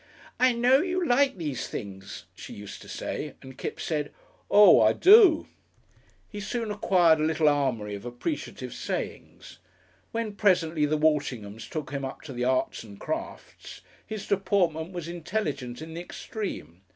"I know you like these things," she used to say, and Kipps said, "Oo I do." He soon acquired a little armoury of appreciative sayings. When presently the Walshinghams took him up to the Arts and Crafts, his deportment was intelligent in the extreme.